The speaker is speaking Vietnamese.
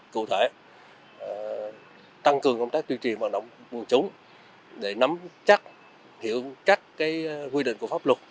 cụ thể tăng cường công tác tuy trì hoạt động quân chúng để nắm chắc hiệu cắt quy định của pháp luật